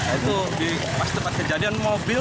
itu di pas pas kejadian